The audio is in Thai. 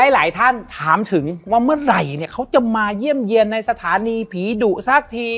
หลายท่านถามถึงว่าเมื่อไหร่เขาจะมาเยี่ยมเยี่ยมในสถานีผีดุสักที